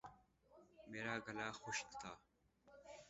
میرا گلا خشک تھا